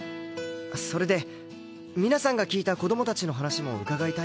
それで皆さんが聞いた子供たちの話も伺いたいのですが。